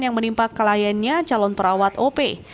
yang menimpa kliennya calon perawat op